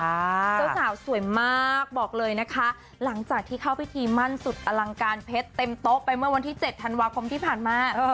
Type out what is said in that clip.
เจ้าสาวสวยมากบอกเลยนะคะหลังจากที่เข้าพิธีมั่นสุดอลังการเพชรเต็มโต๊ะไปเมื่อวันที่๗ธันวาคมที่ผ่านมา